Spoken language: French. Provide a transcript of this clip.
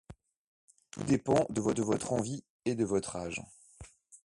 Tout dépend de votre envie et de votre âge.